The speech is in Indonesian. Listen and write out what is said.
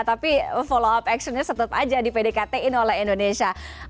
tapi follow up actionnya tetap aja di pdktin oleh indonesia